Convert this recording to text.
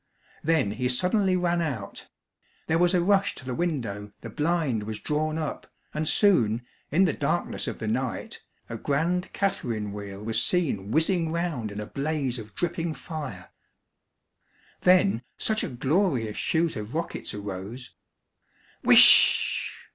Then he suddenly ran out. There was a rush to the window, the blind was drawn up, and soon, in the darkness of the night, a grand catharine wheel was seen whizzing round in a blaze of dripping fire. Then such a glorious shoot of rockets arose!